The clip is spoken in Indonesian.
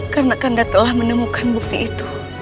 karena kanda telah menemukan bukti itu